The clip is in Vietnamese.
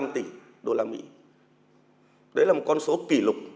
năm mươi năm tỷ đô la mỹ đấy là một con số kỷ lục